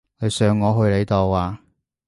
你想我去你度呀？